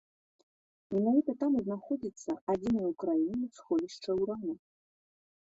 Менавіта там і знаходзіцца адзінае ў краіне сховішча ўрану.